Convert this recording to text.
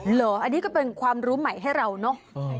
เหรออันนี้ก็เป็นความรู้ใหม่ให้เราเนอะ